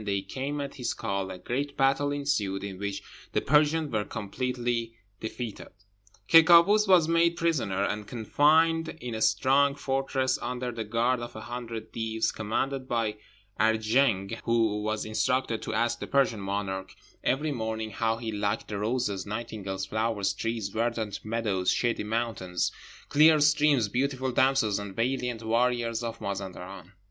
They came at his call: a great battle ensued, in which the Persians were completely defeated. Ky Kâoos was made prisoner, and confined in a strong fortress under the guard of a hundred Deevs, commanded by Arjeng, who was instructed to ask the Persian monarch every morning how he liked the roses, nightingales, flowers, trees, verdant meadows, shady mountains, clear streams, beautiful damsels, and valiant warriors of Mazenderan.